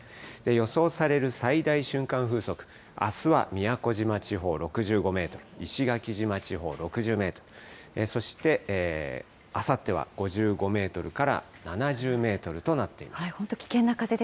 予想される最大瞬間風速、あすは宮古島地方６５メートル、石垣島地方６０メートル、そしてあさっては５５メートルから７０メートルとなっています。